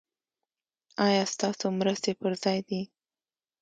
ایا ستاسو مرستې پر ځای دي؟